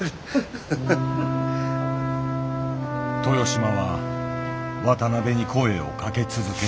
豊島は渡辺に声をかけ続ける。